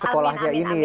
sekolahnya ini ya